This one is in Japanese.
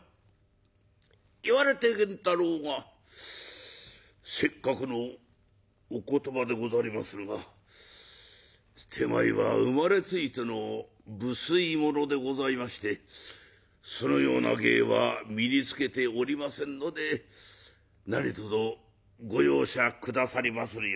言われて源太郎が「せっかくのお言葉でござりまするが手前は生まれついての不粋者でございましてそのような芸は身につけておりませんので何とぞご容赦下さりまするように」。